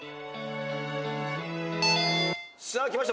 さあきました